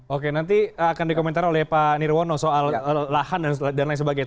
oke nanti akan dikomentari oleh pak nirwono soal lahan dan lain sebagainya